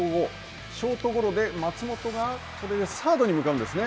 ショートゴロで松本が、これ、サードに向かうんですね。